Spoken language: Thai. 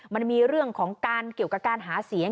มันมีเรื่องของการเกี่ยวกับการหาเสียง